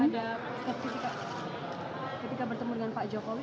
bu apakah ada ketika bertemu dengan pak jokowi